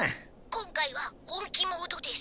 「今回は本気モードです」。